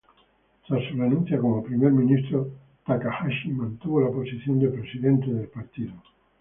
Tras su renuncia como primer ministro, Takahashi mantuvo la posición de presidente del partido.